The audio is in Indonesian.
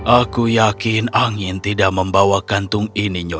aku yakin angin tidak membawa kantung ini nyo